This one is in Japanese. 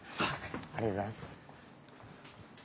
ありがとうございます。